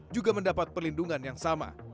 juga mendapat perlindungan yang sama